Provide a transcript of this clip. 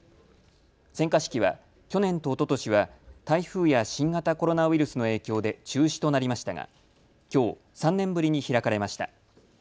選果式は去年とおととしは台風や新型コロナウイルスの影響で中止となりましたがきょう３年ぶりに開かれました。